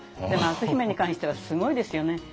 でも篤姫に関してはすごいですよね。